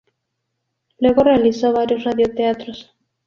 Luego realizó varios radioteatros.